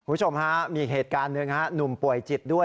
คุณผู้ชมฮะมีอีกเหตุการณ์หนึ่งฮะหนุ่มป่วยจิตด้วย